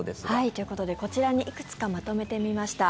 ということで、こちらにいくつかまとめてみました。